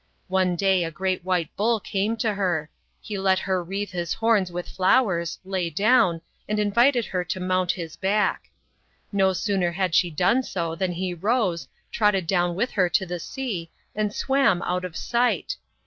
One day a great white bull t came to her ; he let her wreath his horns with flowers, lay clown, and in vited her to mount his back. No sooner had she done so than he rose, trotted down with her to the sea, and swam out of sight.